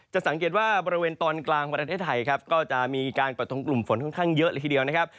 สังเกตว่าบริเวณตอนกลางประเทศไทยครับก็จะมีการประทงกลุ่มฝนค่อนข้างเยอะเลยทีเดียวนะครับ